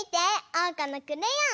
おうかのクレヨン！